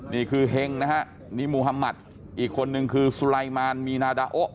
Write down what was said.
นี่คือเห็งนิมมุฮัมมัติอีกคนนึงคือสุลัยมารมีนาดาโอ